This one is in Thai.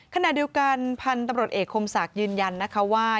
ขณะเดียวกันพันธุ์ตำรวจเอกคมศักดิ์ยืนยันนะคะว่า